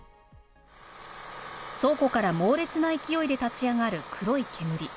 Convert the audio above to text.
倉庫から猛烈な勢いで立ち上がる黒い煙。